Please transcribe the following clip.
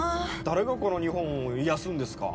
誰がこの日本を癒やすんですか？